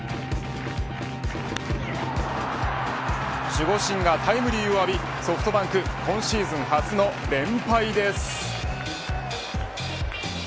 守護神がタイムリーを浴びソフトバンク今シーズン初の連敗です。